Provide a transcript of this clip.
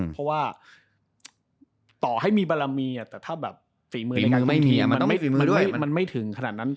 เพราะว่าต่อให้มีบารมีแต่ถ้าแบบฝีมือในการไม่เทียมมันไม่ถึงขนาดนั้น